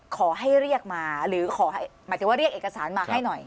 ขอให้เรียกมาหรือขอหมายถึงว่าเรียกเอกสารมาให้หน่อย